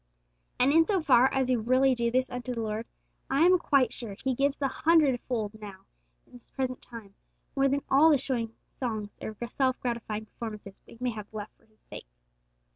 And in so far as we really do this unto the Lord, I am quite sure He gives the hundred fold now in this present time more than all the showy songs or self gratifying performances we may have left for His sake.